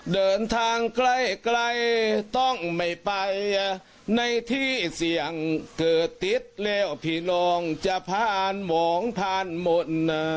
เดินทางใกล้ต้องไม่ไปในที่เสี่ยงเกิดติดแล้วพี่น้องจะผ่านหมองผ่านหมด